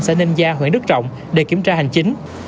sẽ nên ra huyện đức trọng để kiểm tra hành chính